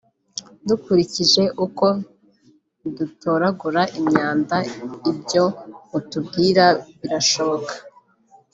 dukurikije uko dutoragura imyanda ibyo mutubwira birashoboka